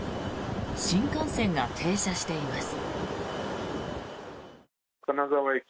新幹線が停車しています。